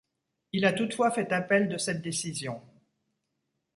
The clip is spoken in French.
Il a toutefois fait appel de cette décision.